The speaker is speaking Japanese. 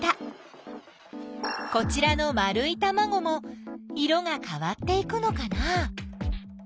こちらの丸いたまごも色がかわっていくのかな？